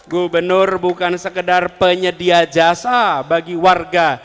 gubernur bukan sekedar penyedia jasa bagi warga